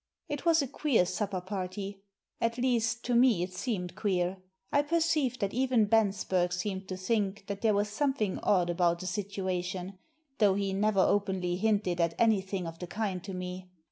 It was a queer supper party — at least, to me it seemed queer. I perceived that even Bensberg seemed to think that there was something odd about the situation, though he never openly hinted at anything of the kind to me.